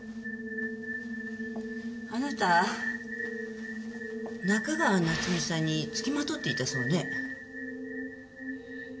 あなた中川夏美さんにつきまとっていたそうね？